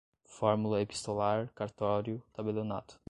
fórmula epistolar, cartório, tabelionato